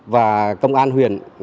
và cơ hội của người dân